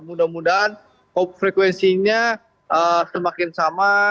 mudah mudahan frekuensinya semakin sama